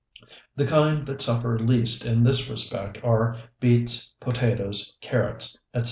The kind that suffer least in this respect are beets, potatoes, carrots, etc.